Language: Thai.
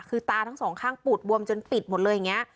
คือตาทั้งสองข้างปูดบวมจนปิดหมดเลยอย่างนี้